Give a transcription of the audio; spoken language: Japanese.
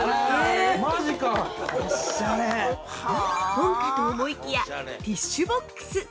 本かと思いきやティッシュボックス！